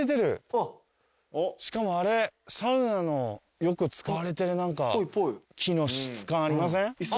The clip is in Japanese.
しかもあれサウナのよく使われてる木の質感ありません？